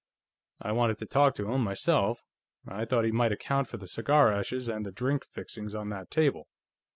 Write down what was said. I wanted to talk to him, myself; I thought he might account for the cigar ashes, and the drink fixings on that table.